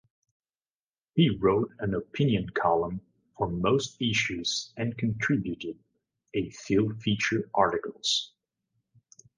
He wrote an opinion column for most issues and contributed a few feature articles.